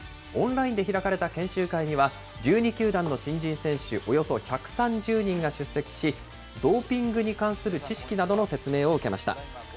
オンラインで開かれた研修会には、１２球団の新人選手およそ１３０人が出席し、ドーピングに関する知識などの説明を受けました。